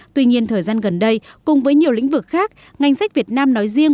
tuy nhiên thời gian gần đây cùng với nhiều lĩnh vực khác ngành sách việt nam nói riêng